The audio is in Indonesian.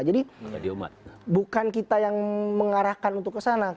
jadi bukan kita yang mengarahkan untuk ke sana